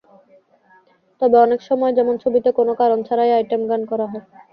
তবে অনেক সময় যেমন ছবিতে কোনো কারণ ছাড়াই আইটেম গান করা হয়।